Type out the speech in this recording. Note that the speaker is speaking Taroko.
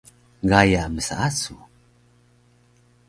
Gaya msaasu